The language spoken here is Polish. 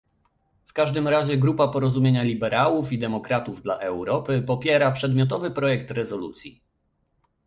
W każdym razie grupa Porozumienia Liberałów i Demokratów dla Europy popiera przedmiotowy projekt rezolucji